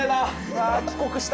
わあ帰国した。